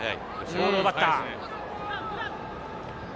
ボールを奪った。